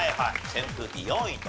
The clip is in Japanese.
扇風機４位と。